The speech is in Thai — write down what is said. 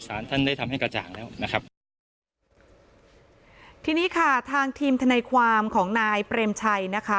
ท่านได้ทำให้กระจ่างแล้วนะครับทีนี้ค่ะทางทีมทนายความของนายเปรมชัยนะคะ